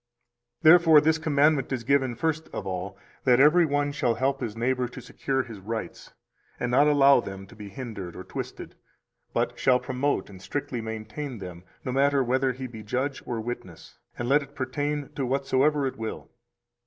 260 Therefore this commandment is given first of all that every one shall help his neighbor to secure his rights, and not allow them to be hindered or twisted, but shall promote and strictly maintain them, no matter whether he be judge or witness, and let it pertain to whatsoever it will.